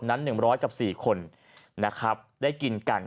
๑๐๐กับ๔คนนะครับได้กินกัน